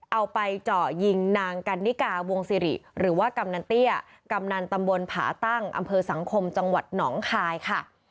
เอาไปเจาะยิงนางกันนิกาวงศิริหรือว่ากำนันเตี้ยกำนันตำบลผาตั้งอำเภอสังคมจังหวัดหนองคายค่ะ